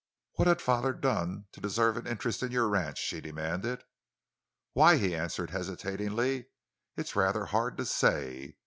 "What had father done to deserve an interest in your ranch?" she demanded. "Why," he answered hesitatingly, "it's rather hard to say.